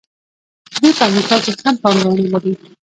دوی په امریکا کې هم پانګونه لري.